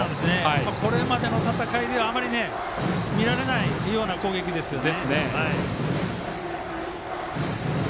これまでの戦いではあまり見られない攻撃ですね。